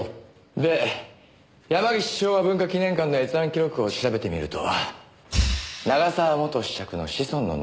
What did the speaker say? で山岸昭和文化記念館の閲覧記録を調べてみると永沢元子爵の子孫の名前があった。